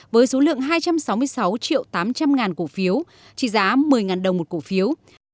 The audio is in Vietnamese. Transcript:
với số lượng hai trăm sáu mươi sáu triệu tám trăm linh cổ phiếu trị giá một mươi đồng một cổ phiếu